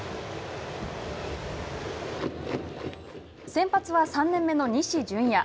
先発は３年目の西純矢。